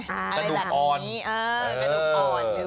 อะไรแบบนี้กระดูกอ่อนกระดูกอ่อน